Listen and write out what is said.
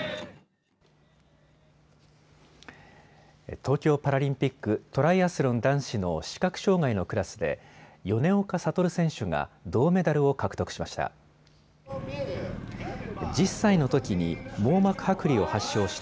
東京パラリンピック、トライアスロン男子の視覚障害のクラスで米岡聡選手が銅メダルを獲得しました。